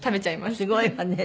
すごいわね